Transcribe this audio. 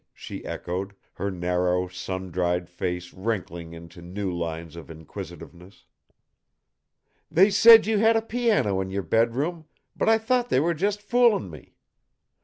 she echoed, her narrow, sun dried face wrinkling into new lines of inquisitiveness. "They said you had a piano in your bedroom, but I thought they were just foolin' me!